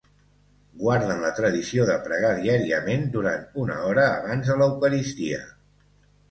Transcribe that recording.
Guarden la tradició de pregar diàriament durant una hora abans de l'eucaristia.